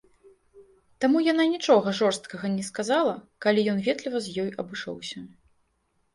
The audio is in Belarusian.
Таму яна нічога жорсткага і не сказала, калі ён ветліва з ёю абышоўся.